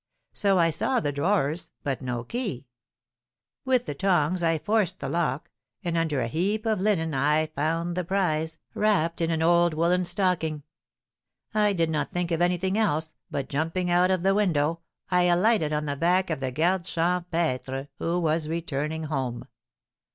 So I saw the drawers, but no key. With the tongs I forced the lock, and under a heap of linen I found the prize, wrapped in an old woollen stocking. I did not think of taking anything else, but jumping out of the window, I alighted on the back of the garde champêtre, who was returning home."